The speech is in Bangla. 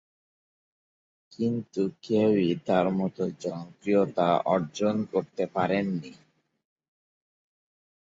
কিন্তু কেউই তার মত জনপ্রিয়তা অর্জন করতে পারেননি।